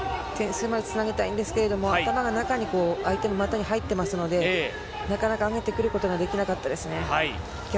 取ってつなげたいんですけれど、頭が相手の股の間に入ってますから、なかなか上げてくることができなかったですね。